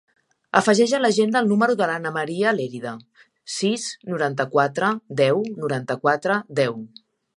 Afegeix a l'agenda el número de l'Ana maria Lerida: sis, noranta-quatre, deu, noranta-quatre, deu.